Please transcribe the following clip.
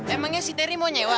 emangnya si teri mau nyewa